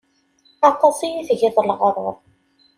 Aṭas i yi-tgiḍ leɣruṛ.